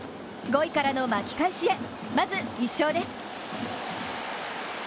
５位からの巻き返しへ、まず１勝です。